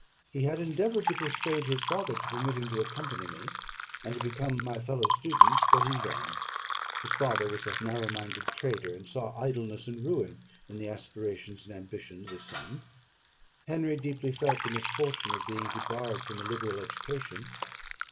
He had endeavoured to persuade his father to permit him to accompany me, and to become my fellow student; but in vain. His father was a narrow minded trader, and saw idleness and ruin in the aspirations and ambition of his son. Henry deeply felt the misfortune of being debarred from a liberal education.